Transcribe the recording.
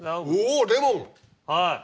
はい。